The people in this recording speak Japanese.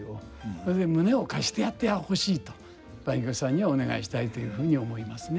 それで胸を貸してやってほしいと梅玉さんにはお願いしたいというふうに思いますね。